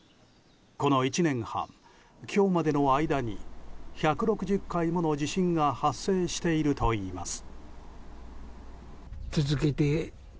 この１年半、今日までの間に１６０回もの地震が発生しているといいます。